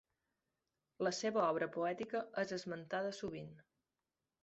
La seva obra poètica és esmentada sovint.